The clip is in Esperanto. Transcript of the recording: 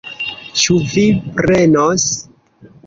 Ĉu vi prenos?